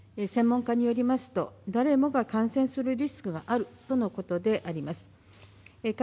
専門家によりますと、誰もが感染するリスクがあるとのことです。